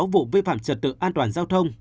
bốn mươi sáu vụ vi phạm trật tự an toàn giao thông